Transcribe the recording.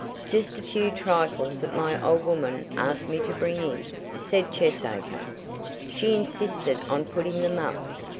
"Just a few trifles that my old woman asked me to bring in," said Cheesacre. "She insisted on putting them up."